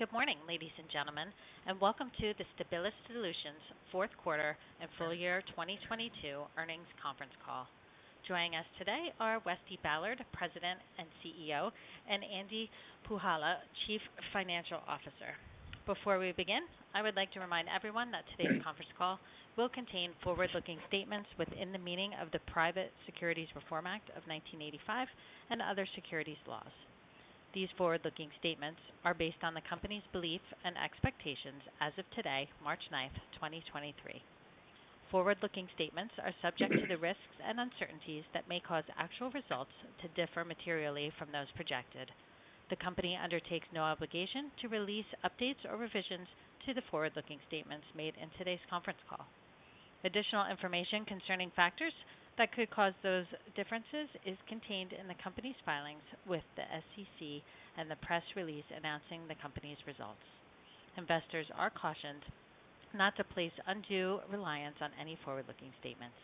Good morning, ladies and gentlemen, and welcome to the Stabilis Solutions Fourth Quarter and Full Year 2022 Earnings Conference Call. Joining us today are Westy Ballard, President and CEO, and Andy Puhala, Chief Financial Officer. Before we begin, I would like to remind everyone that today's conference call will contain forward-looking statements within the meaning of the Private Securities Litigation Reform Act of 1995 and other securities laws. These forward-looking statements are based on the company's beliefs and expectations as of today, March 9th, 2023. Forward-looking statements are subject to the risks and uncertainties that may cause actual results to differ materially from those projected. The company undertakes no obligation to release updates or revisions to the forward-looking statements made in today's conference call. Additional information concerning factors that could cause those differences is contained in the company's filings with the SEC and the press release announcing the company's results. Investors are cautioned not to place undue reliance on any forward-looking statements.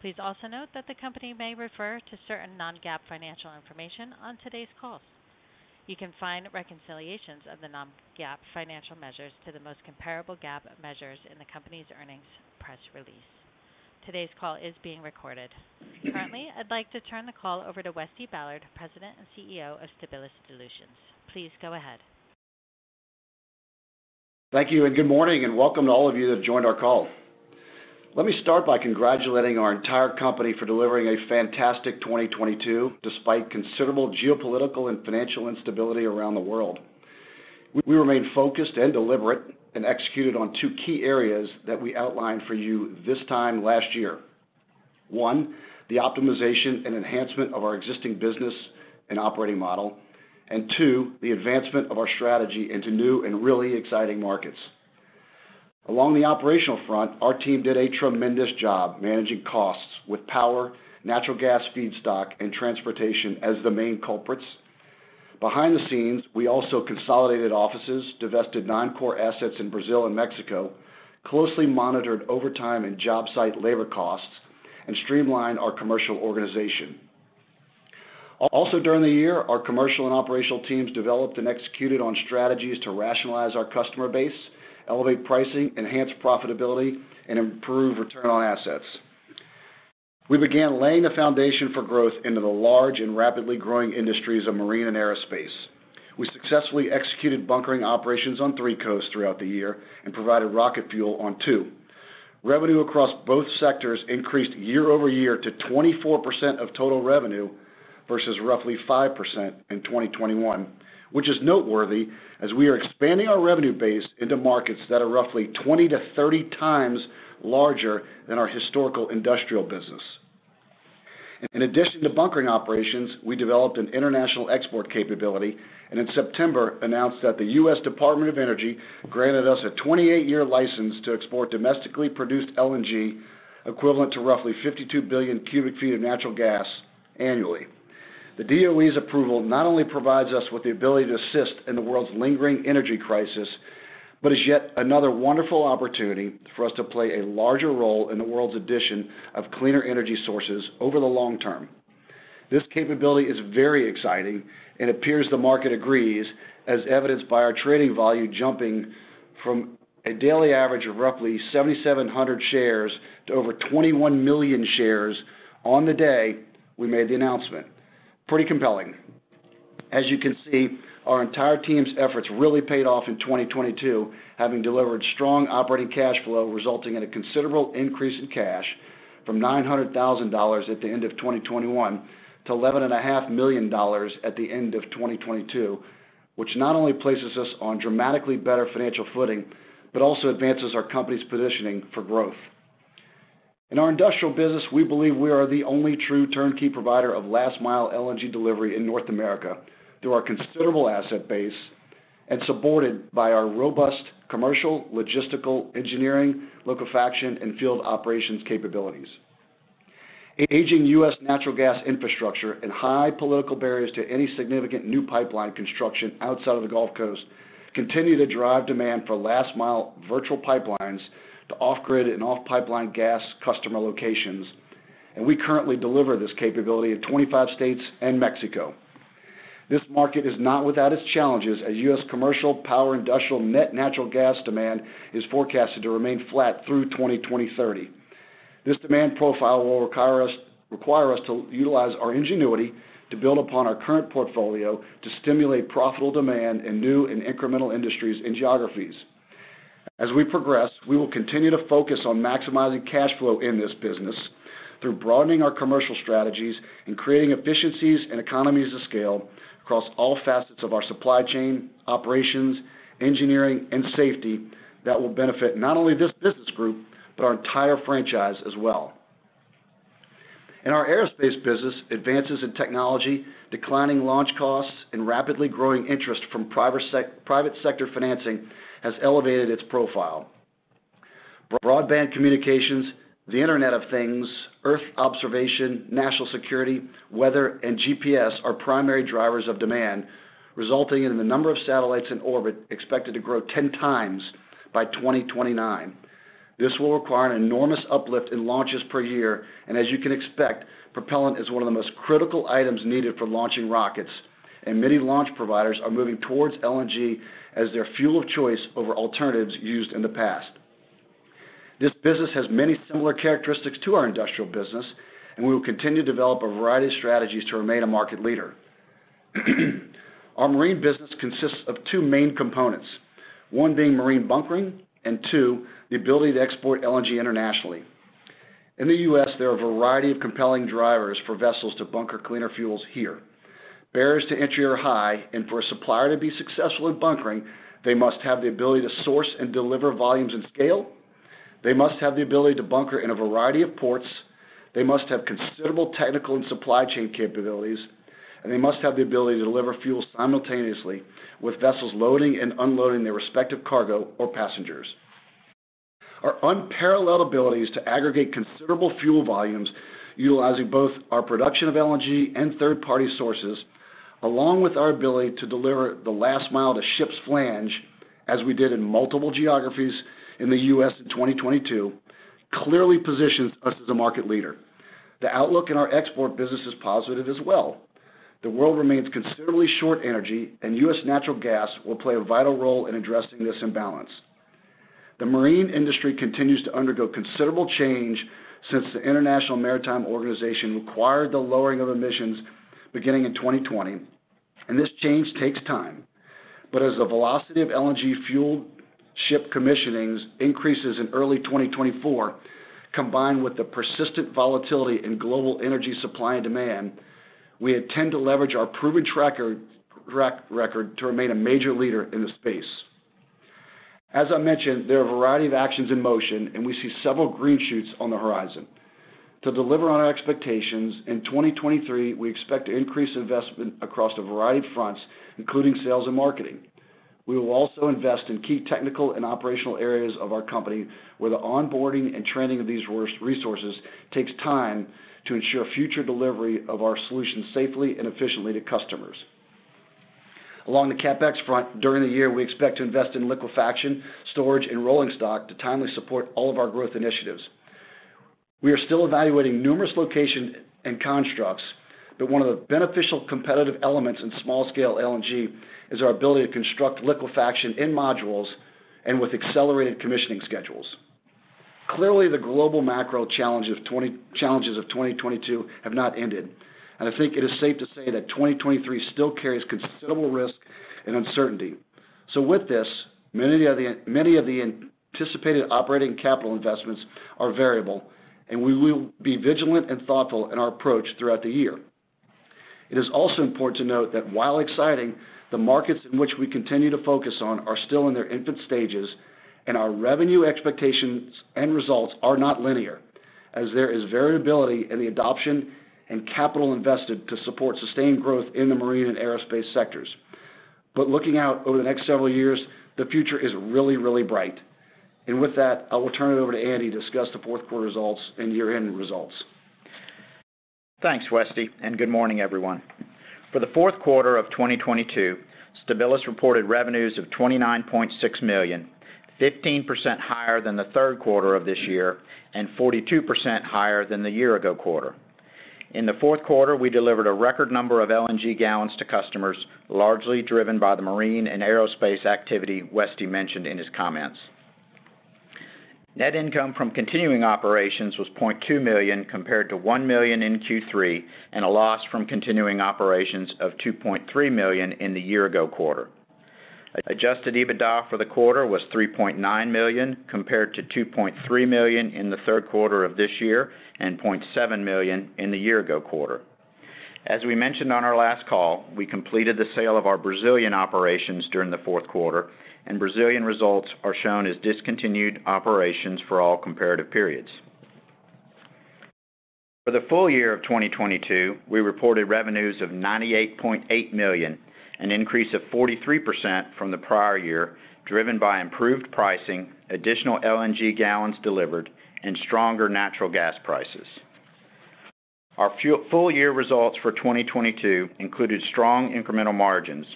Please also note that the company may refer to certain non-GAAP financial information on today's call. You can find reconciliations of the non-GAAP financial measures to the most comparable GAAP measures in the company's earnings press release. Today's call is being recorded. Currently, I'd like to turn the call over to Westy Ballard, President and CEO of Stabilis Solutions. Please go ahead. Thank you. Good morning, and welcome to all of you that have joined our call. Let me start by congratulating our entire company for delivering a fantastic 2022 despite considerable geopolitical and financial instability around the world. We remain focused and deliberate and executed on two key areas that we outlined for you this time last year. One, the optimization and enhancement of our existing business and operating model. Two, the advancement of our strategy into new and really exciting markets. Along the operational front, our team did a tremendous job managing costs with power, natural gas feedstock, and transportation as the main culprits. Behind the scenes, we also consolidated offices, divested non-core assets in Brazil and Mexico, closely monitored overtime and job site labor costs, and streamlined our commercial organization. Also during the year, our commercial and operational teams developed and executed on strategies to rationalize our customer base, elevate pricing, enhance profitability, and improve return on assets. We began laying the foundation for growth into the large and rapidly growing industries of marine and aerospace. We successfully executed bunkering operations on three coasts throughout the year and provided rocket fuel on two. Revenue across both sectors increased year-over-year to 24% of total revenue versus roughly 5% in 2021, which is noteworthy as we are expanding our revenue base into markets that are roughly 20-30 times larger than our historical industrial business. In addition to bunkering operations, we developed an international export capability, and in September announced that the U.S. Department of Energy granted us a 28-year license to export domestically produced LNG equivalent to roughly 52 billion cubic feet of natural gas annually. The DOE's approval not only provides us with the ability to assist in the world's lingering energy crisis, but is yet another wonderful opportunity for us to play a larger role in the world's addition of cleaner energy sources over the long term. This capability is very exciting and appears the market agrees as evidenced by our trading value jumping from a daily average of roughly 7,700 shares to over 21 million shares on the day we made the announcement. Pretty compelling. As you can see, our entire team's efforts really paid off in 2022, having delivered strong operating cash flow resulting in a considerable increase in cash from $900,000 at the end of 2021 to eleven and a half million dollars at the end of 2022, which not only places us on dramatically better financial footing, but also advances our company's positioning for growth. In our industrial business, we believe we are the only true turnkey provider of last-mile LNG delivery in North America through our considerable asset base and supported by our robust commercial, logistical, engineering, liquefaction, and field operations capabilities. Aging U.S. natural gas infrastructure and high political barriers to any significant new pipeline construction outside of the Gulf Coast continue to drive demand for last-mile virtual pipelines to off-grid and off-pipeline gas customer locations. We currently deliver this capability in 25 states and Mexico. This market is not without its challenges as U.S. commercial power industrial net natural gas demand is forecasted to remain flat through 2030. This demand profile will require us to utilize our ingenuity to build upon our current portfolio to stimulate profitable demand in new and incremental industries and geographies. As we progress, we will continue to focus on maximizing cash flow in this business through broadening our commercial strategies and creating efficiencies and economies of scale across all facets of our supply chain, operations, engineering, and safety that will benefit not only this business group, but our entire franchise as well. In our aerospace business, advances in technology, declining launch costs, and rapidly growing interest from private sector financing has elevated its profile. Broadband communications, the Internet of Things, earth observation, national security, weather, and GPS are primary drivers of demand, resulting in the number of satellites in orbit expected to grow 10 times by 2029. This will require an enormous uplift in launches per year. As you can expect, propellant is one of the most critical items needed for launching rockets, and many launch providers are moving towards LNG as their fuel of choice over alternatives used in the past. This business has many similar characteristics to our industrial business, and we will continue to develop a variety of strategies to remain a market leader. Our marine business consists of two main components, one being marine bunkering, and two, the ability to export LNG internationally. In the U.S., there are a variety of compelling drivers for vessels to bunker cleaner fuels here. Barriers to entry are high. For a supplier to be successful in bunkering, they must have the ability to source and deliver volumes in scale. They must have the ability to bunker in a variety of ports. They must have considerable technical and supply chain capabilities, and they must have the ability to deliver fuel simultaneously with vessels loading and unloading their respective cargo or passengers. Our unparalleled abilities to aggregate considerable fuel volumes utilizing both our production of LNG and third-party sources, along with our ability to deliver the last mile to ship's flange, as we did in multiple geographies in the U.S. in 2022, clearly positions us as a market leader. The outlook in our export business is positive as well. The world remains considerably short in energy. U.S. natural gas will play a vital role in addressing this imbalance. The marine industry continues to undergo considerable change since the International Maritime Organization required the lowering of emissions beginning in 2020. This change takes time. As the velocity of LNG fuel ship commissionings increases in early 2024, combined with the persistent volatility in global energy supply and demand, we intend to leverage our proven track record to remain a major leader in the space. As I mentioned, there are a variety of actions in motion. We see several green shoots on the horizon. To deliver on our expectations, in 2023, we expect to increase investment across a variety of fronts, including sales and marketing. We will also invest in key technical and operational areas of our company where the onboarding and training of these resources takes time to ensure future delivery of our solutions safely and efficiently to customers. Along the CapEx front, during the year, we expect to invest in liquefaction, storage, and rolling stock to timely support all of our growth initiatives. We are still evaluating numerous locations and constructs. One of the beneficial competitive elements in small-scale LNG is our ability to construct liquefaction in modules and with accelerated commissioning schedules. Clearly, the global macro challenges of 2022 have not ended. I think it is safe to say that 2023 still carries considerable risk and uncertainty. With this, many of the anticipated operating capital investments are variable. We will be vigilant and thoughtful in our approach throughout the year. It is also important to note that while exciting, the markets in which we continue to focus on are still in their infant stages. Our revenue expectations and results are not linear as there is variability in the adoption and capital invested to support sustained growth in the marine and aerospace sectors. Looking out over the next several years, the future is really, really bright. With that, I will turn it over to Andy to discuss the fourth quarter results and year-end results. Thanks, Westy, and good morning, everyone. For the fourth quarter of 2022, Stabilis reported revenues of $29.6 million, 15% higher than the third quarter of this year and 42% higher than the year ago quarter. In the fourth quarter, we delivered a record number of LNG gallons to customers, largely driven by the marine and aerospace activity Westy mentioned in his comments. Net income from continuing operations was $0.2 million, compared to $1 million in Q3 and a loss from continuing operations of $2.3 million in the year ago quarter. Adjusted EBITDA for the quarter was $3.9 million, compared to $2.3 million in the third quarter of this year and $0.7 million in the year ago quarter. As we mentioned on our last call, we completed the sale of our Brazilian operations during the fourth quarter, and Brazilian results are shown as discontinued operations for all comparative periods. For the full year of 2022, we reported revenues of $98.8 million, an increase of 43% from the prior year, driven by improved pricing, additional LNG gallons delivered, and stronger natural gas prices. Our full year results for 2022 included strong incremental margins.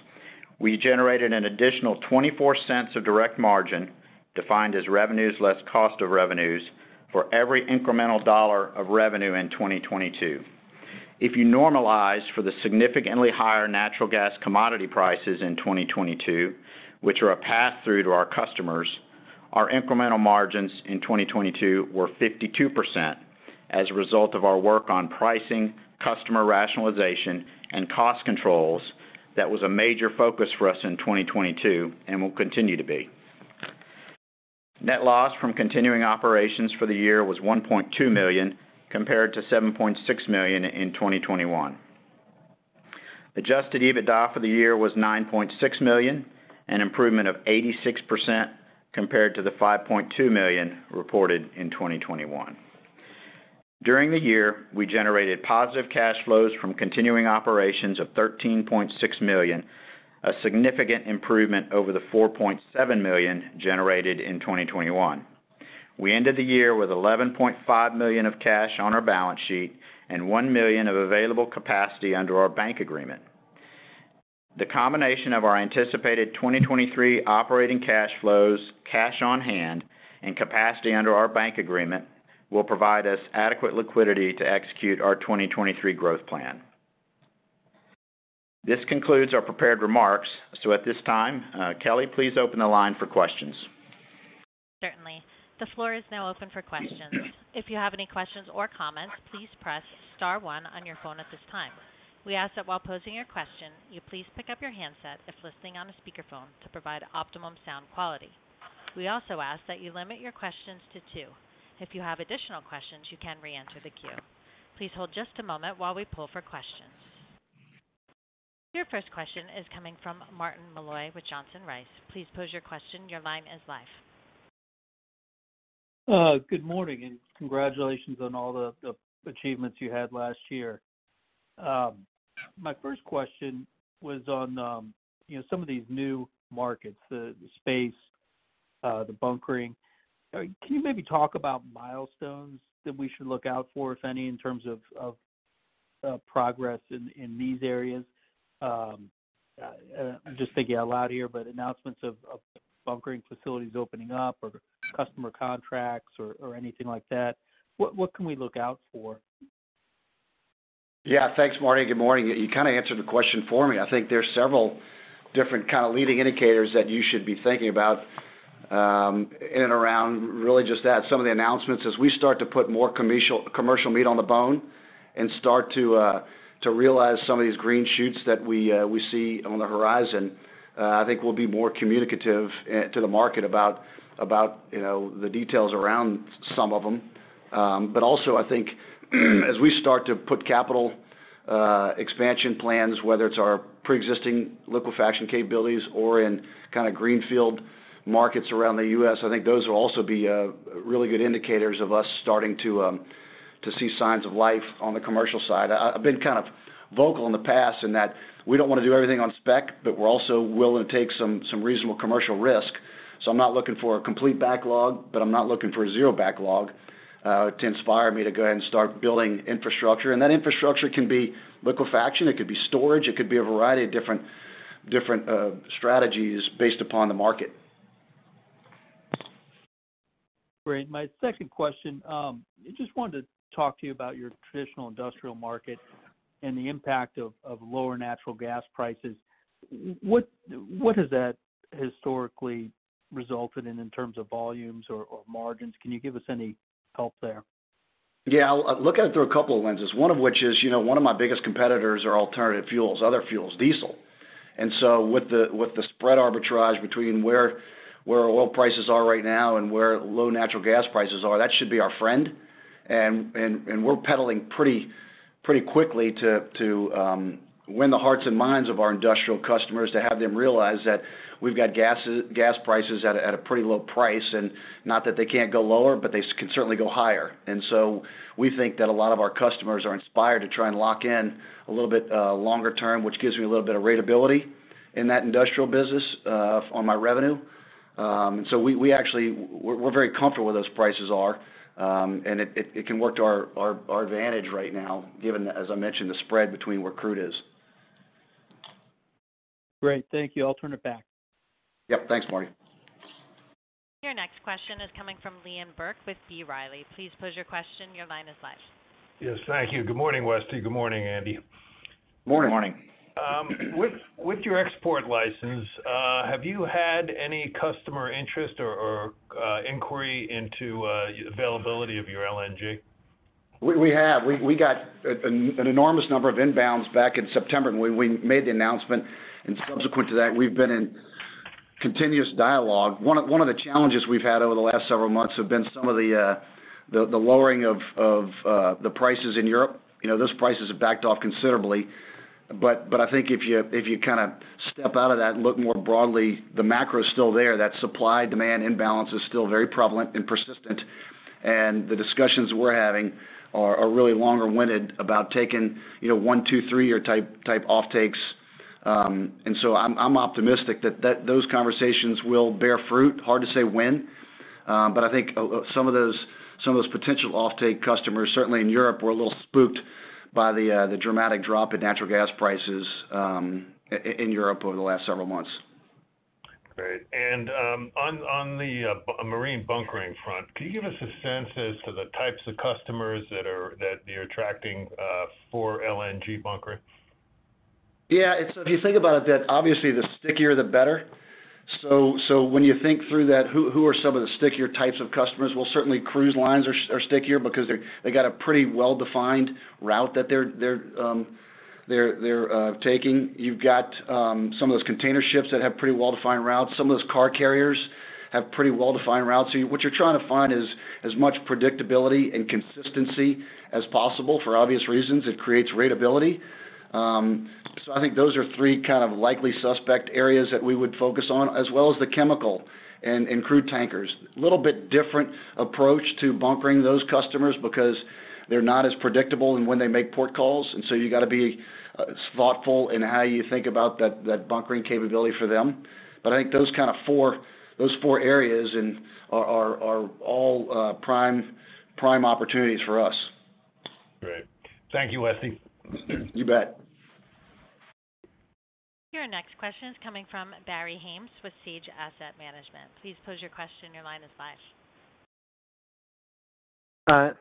We generated an additional $0.24 of direct margin, defined as revenues less cost of revenues, for every incremental dollar of revenue in 2022. If you normalize for the significantly higher natural gas commodity prices in 2022, which are a pass-through to our customers, our incremental margins in 2022 were 52% as a result of our work on pricing, customer rationalization, and cost controls that was a major focus for us in 2022 and will continue to be. Net loss from continuing operations for the year was $1.2 million, compared to $7.6 million in 2021. Adjusted EBITDA for the year was $9.6 million, an improvement of 86% compared to the $5.2 million reported in 2021. During the year, we generated positive cash flows from continuing operations of $13.6 million, a significant improvement over the $4.7 million generated in 2021. We ended the year with $11.5 million of cash on our balance sheet and $1 million of available capacity under our bank agreement. The combination of our anticipated 2023 operating cash flows, cash on hand and capacity under our bank agreement will provide us adequate liquidity to execute our 2023 growth plan. This concludes our prepared remarks. At this time, Kelly, please open the line for questions. Certainly. The floor is now open for questions. If you have any questions or comments, please press star one on your phone at this time. We ask that while posing your question, you please pick up your handset if listening on a speakerphone to provide optimum sound quality. We also ask that you limit your questions to two. If you have additional questions, you can reenter the queue. Please hold just a moment while we pull for questions. Your first question is coming from Martin Malloy with Johnson Rice. Please pose your question. Your line is live. Good morning and congratulations on all the achievements you had last year. My first question was on, you know, some of these new markets, the space, the bunkering. Can you maybe talk about milestones that we should look out for, if any, in terms of progress in these areas? I'm just thinking out loud here, announcements of bunkering facilities opening up or customer contracts or anything like that. What can we look out for? Yeah. Thanks, Martin Good morning. You kind of answered the question for me. I think there's several different kind of leading indicators that you should be thinking about, in and around really just that. Some of the announcements, as we start to put more commercial meat on the bone and start to realize some of these green shoots that we see on the horizon, I think we'll be more communicative to the market about, you know, the details around some of them. Also I think as we start to put capital expansion plans, whether it's our preexisting liquefaction capabilities or in kind of greenfield markets around the U.S., I think those will also be really good indicators of us starting to see signs of life on the commercial side. I've been kind of vocal in the past in that we don't want to do everything on spec, but we're also willing to take some reasonable commercial risk. I'm not looking for a complete backlog, but I'm not looking for zero backlog to inspire me to go ahead and start building infrastructure. That infrastructure can be liquefaction, it could be storage, it could be a variety of different strategies based upon the market. Great. My second question, I just wanted to talk to you about your traditional industrial market and the impact of lower natural gas prices. What has that historically resulted in in terms of volumes or margins? Can you give us any help there? Yeah. I'll look at it through a couple of lenses, one of which is, you know, one of my biggest competitors are alternative fuels, other fuels, diesel. With the spread arbitrage between where oil prices are right now and where low natural gas prices are, that should be our friend. We're pedaling pretty quickly to win the hearts and minds of our industrial customers to have them realize that we've got gas prices at a pretty low price. Not that they can't go lower, but they can certainly go higher. We think that a lot of our customers are inspired to try and lock in a little bit longer term, which gives me a little bit of ratability in that industrial business on my revenue. We're very comfortable where those prices are. It can work to our advantage right now, given, as I mentioned, the spread between where crude is. Great. Thank you. I'll turn it back. Yep. Thanks, Martin. Your next question is coming from Liam Burke with B. Riley. Please pose your question. Your line is live. Yes, thank you. Good morning, Westy. Good morning, Andy. Morning. Morning. With your export license, have you had any customer interest or inquiry into availability of your LNG? We have. We got an enormous number of inbounds back in September when we made the announcement. Subsequent to that, we've been in continuous dialogue. One of the challenges we've had over the last several months have been some of the lowering of the prices in Europe. You know, those prices have backed off considerably. But I think if you, if you kind of step out of that and look more broadly, the macro is still there. That supply-demand imbalance is still very prevalent and persistent. The discussions we're having are really longer winded about taking, you know, one, two, three type offtakes. So I'm optimistic that those conversations will bear fruit. Hard to say when. I think some of those potential offtake customers, certainly in Europe, were a little spooked by the dramatic drop in natural gas prices, in Europe over the last several months. Great. On the marine bunkering front, can you give us a sense as to the types of customers that you're attracting for LNG bunkering? Yeah. If you think about it, that obviously the stickier, the better. When you think through that, who are some of the stickier types of customers? Well, certainly cruise lines are stickier because they got a pretty well-defined route that they're taking. You've got some of those container ships that have pretty well-defined routes. Some of those car carriers have pretty well-defined routes. What you're trying to find is as much predictability and consistency as possible for obvious reasons. It creates ratability. I think those are three kind of likely suspect areas that we would focus on, as well as the chemical and crude tankers. Little bit different approach to bunkering those customers because they're not as predictable in when they make port calls. You got to be thoughtful in how you think about that bunkering capability for them. I think those four areas and are all prime opportunities for us. Great. Thank you, Westy. You bet. Your next question is coming from Barry Haimes with Sage Asset Management. Please pose your question. Your line is live.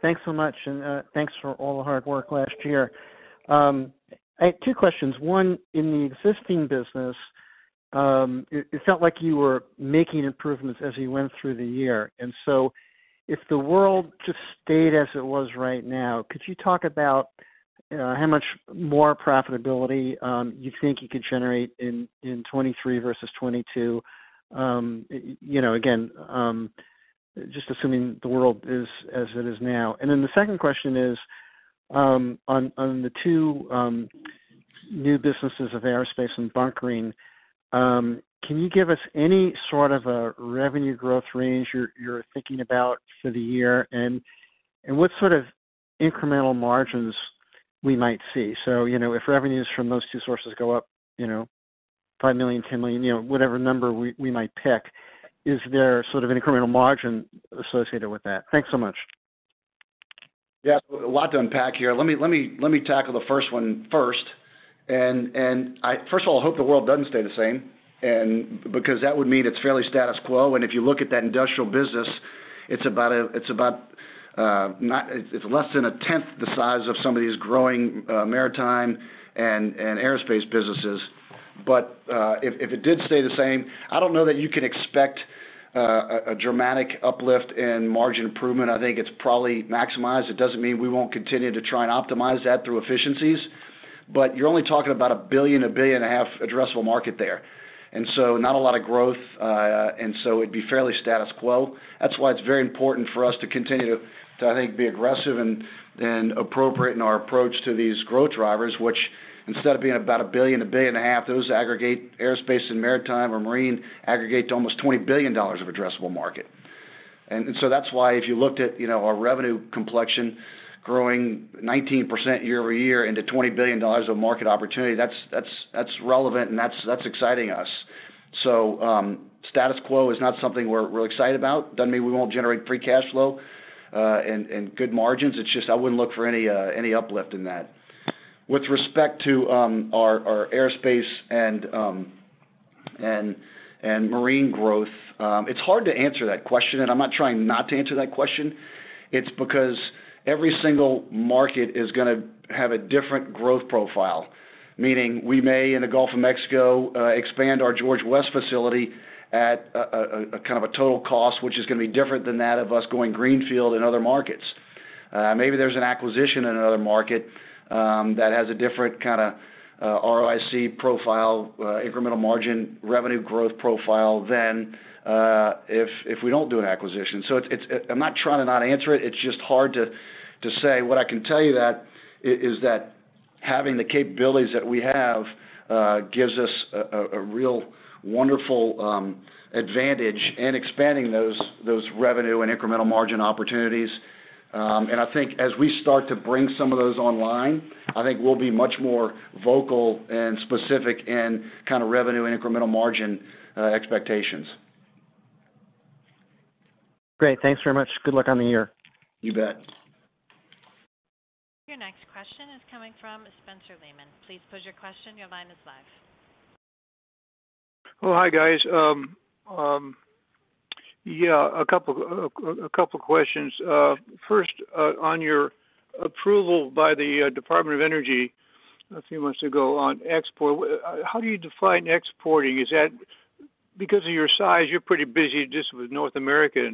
Thanks so much, and thanks for all the hard work last year. I had two questions. One, in the existing business, it felt like you were making improvements as you went through the year. If the world just stayed as it was right now, could you talk about how much more profitability you think you could generate in 2023 versus 2022? You know, again, just assuming the world is as it is now. The second question is on the two new businesses of aerospace and bunkering, can you give us any sort of a revenue growth range you're thinking about for the year and what sort of incremental margins we might see? you know, if revenues from those two sources go up, you know, $5 million, $10 million, you know, whatever number we might pick, is there sort of an incremental margin associated with that? Thanks so much. Yeah. A lot to unpack here. Let me tackle the first one first. First of all, I hope the world doesn't stay the same, and because that would mean it's fairly status quo. If you look at that industrial business, it's about, it's less than a tenth the size of some of these growing maritime and aerospace businesses. If it did stay the same, I don't know that you can expect a dramatic uplift in margin improvement. I think it's probably maximized. It doesn't mean we won't continue to try and optimize that through efficiencies. You're only talking about a billion, $1.5 billion addressable market there. Not a lot of growth, and so it'd be fairly status quo. That's why it's very important for us to continue to, I think, be aggressive and appropriate in our approach to these growth drivers, which instead of being about a billion, $1.5 billion, those aggregate aerospace and maritime or marine aggregate to almost $20 billion of addressable market. That's why if you looked at, you know, our revenue complexion growing 19% year-over-year into $20 billion of market opportunity, that's relevant and that's exciting us. Status quo is not something we're excited about. Doesn't mean we won't generate free cash flow and good margins. It's just, I wouldn't look for any uplift in that. With respect to our aerospace and marine growth, it's hard to answer that question, and I'm not trying not to answer that question. It's because every single market is gonna have a different growth profile. Meaning we may, in the Gulf of Mexico, expand our George West facility at a kind of a total cost, which is gonna be different than that of us going greenfield in other markets. Maybe there's an acquisition in another market, that has a different kind of ROIC profile, incremental margin, revenue growth profile than if we don't do an acquisition. It's I'm not trying to not answer it. It's just hard to say. What I can tell you that is that having the capabilities that we have, gives us a real wonderful advantage in expanding those revenue and incremental margin opportunities. I think as we start to bring some of those online, I think we'll be much more vocal and specific in kind of revenue and incremental margin expectations. Great. Thanks very much. Good luck on the year. You bet. Your next question is coming from Spencer Lehman. Please pose your question. Your line is live. Hi, guys. Yeah, a couple questions. First, on your approval by the Department of Energy a few months ago on export, how do you define exporting? Is that because of your size, you're pretty busy just with North America.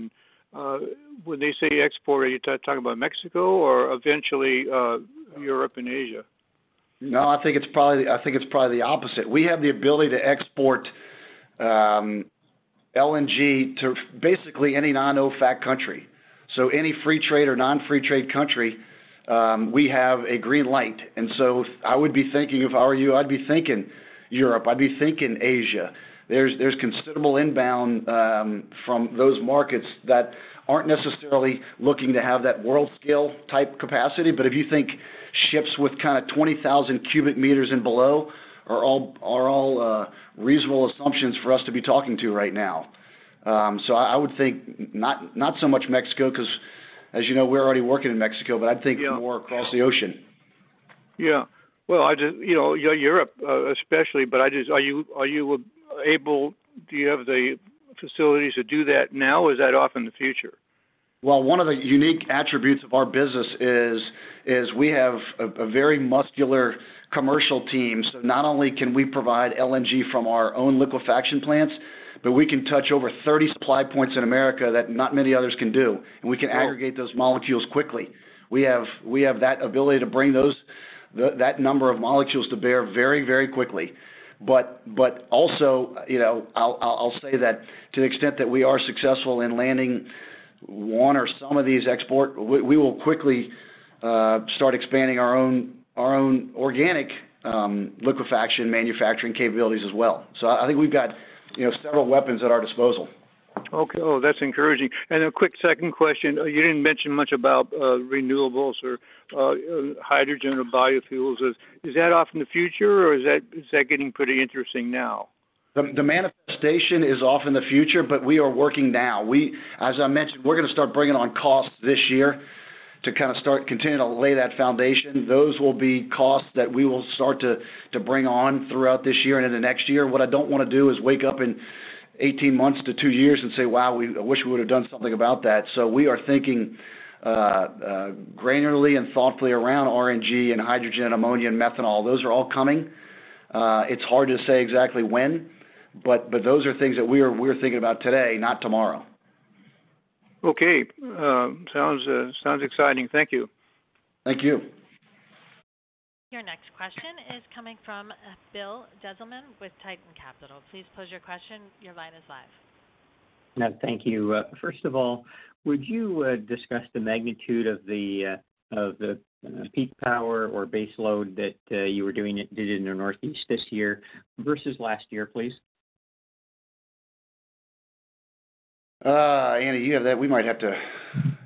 When they say export, are you talking about Mexico or eventually, Europe and Asia? No, I think it's probably the opposite. We have the ability to export LNG to basically any non-OPEC country. Any free trade or non-free trade country, we have a green light. I would be thinking if I were you, I'd be thinking Europe. I'd be thinking Asia. There's considerable inbound from those markets that aren't necessarily looking to have that world-scale type capacity. If you think ships with kind of 20,000 cubic meters and below are all reasonable assumptions for us to be talking to right now. I would think not so much Mexico 'cause, as you know, we're already working in Mexico, but I'm thinking more across the ocean. Yeah. Well, I just You know, yeah, Europe, especially, do you have the facilities to do that now, or is that off in the future? One of the unique attributes of our business is we have a very muscular commercial team. Not only can we provide LNG from our own liquefaction plants, but we can touch over 30 supply points in America that not many others can do. We can aggregate those molecules quickly. We have that ability to bring those that number of molecules to bear very quickly. Also, you know, I'll say that to the extent that we are successful in landing one or some of these export, we will quickly start expanding our own organic liquefaction manufacturing capabilities as well. I think we've got, you know, several weapons at our disposal. Okay. Oh, that's encouraging. A quick second question. You didn't mention much about renewables or hydrogen or biofuels. Is that off in the future, or is that getting pretty interesting now? The manifestation is off in the future, but we are working now. As I mentioned, we're gonna start bringing on costs this year to kind of start continuing to lay that foundation. Those will be costs that we will start to bring on throughout this year and into next year. What I don't wanna do is wake up in 18 months to two years and say, "Wow, I wish we would've done something about that." We are thinking granularly and thoughtfully around RNG and hydrogen, ammonia, and methanol. Those are all coming. It's hard to say exactly when, but those are things that we're thinking about today, not tomorrow. Okay. Sounds exciting. Thank you. Thank you. Your next question is coming from, Bill Dezellem with Tieton Capital. Please pose your question. Your line is live. Yeah, thank you. first of all, would you discuss the magnitude of the of the peak power or base load that you did in the Northeast this year versus last year, please? Andy, you have that. We might have to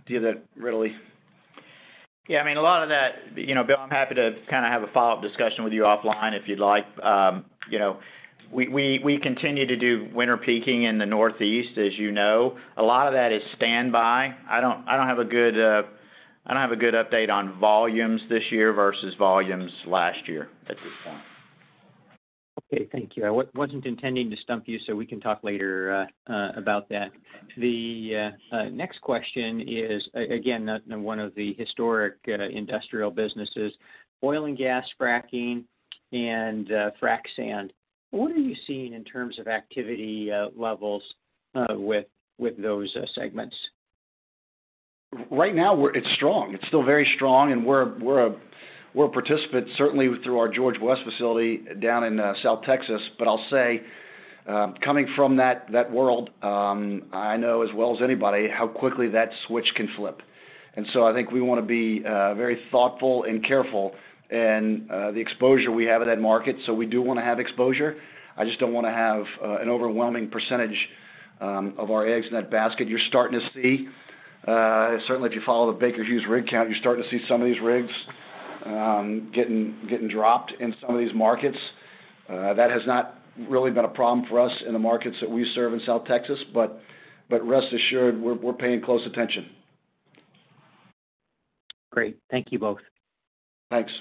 give that readily. Yeah, I mean, a lot of that, you know, Bill, I'm happy to kind of have a follow-up discussion with you offline if you'd like. you know, we continue to do winter peaking in the Northeast, as you know. A lot of that is standby. I don't have a good update on volumes this year versus volumes last year at this point. Okay, thank you. I wasn't intending to stump you. We can talk later about that. The next question is again, not one of the historic industrial businesses, oil and gas fracking and frac sand. What are you seeing in terms of activity levels with those segments? Right now, it's strong. It's still very strong, we're a participant certainly through our George West facility down in South Texas. I'll say, coming from that world, I know as well as anybody how quickly that switch can flip. I think we wanna be very thoughtful and careful in the exposure we have in that market. We do wanna have exposure. I just don't wanna have an overwhelming percentage of our eggs in that basket. You're starting to see, certainly if you follow the Baker Hughes rig count, you're starting to see some of these rigs getting dropped in some of these markets. That has not really been a problem for us in the markets that we serve in South Texas. Rest assured, we're paying close attention. Great. Thank you both. Thanks.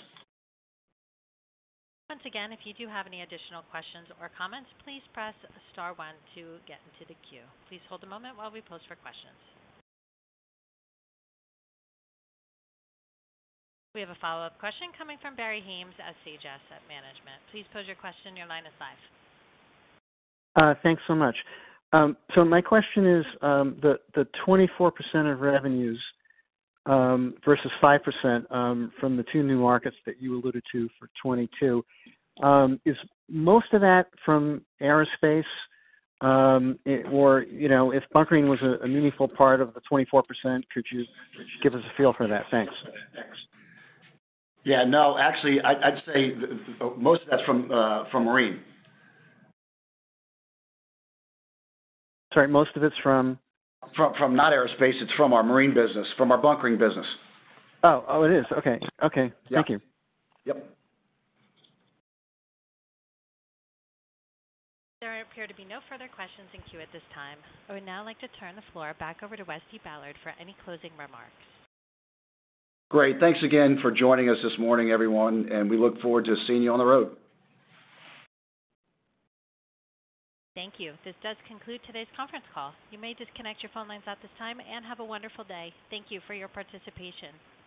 Once again, if you do have any additional questions or comments, please press star one to get into the queue. Please hold a moment while we post for questions. We have a follow-up question coming from Barry Haimes at Sage Asset Management. Please pose your question. Your line is live. Thanks so much. My question is, the 24% of revenues versus 5% from the two new markets that you alluded to for 2022, is most of that from aerospace? Or, you know, if bunkering was a meaningful part of the 24%, could you give us a feel for that? Thanks. Yeah, no, actually, I'd say most of that's from marine. Sorry, most of it's from? From not aerospace. It's from our marine business, from our bunkering business. Oh. Oh, it is. Okay. Okay. Yeah. Thank you. Yep. There appear to be no further questions in queue at this time. I would now like to turn the floor back over to Westy Ballard for any closing remarks. Great. Thanks again for joining us this morning, everyone, and we look forward to seeing you on the road. Thank you. This does conclude today's conference call. You may disconnect your phone lines at this time, and have a wonderful day. Thank you for your participation.